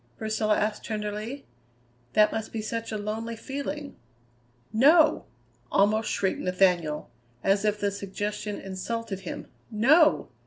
Priscilla asked tenderly. "That must be such a lonely feeling." "No!" almost shrieked Nathaniel, as if the suggestion insulted him; "no!